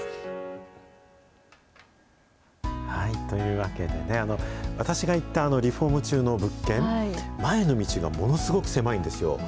というわけで、私が行ったリフォーム中の物件、前の道がものすごく狭いんですよ。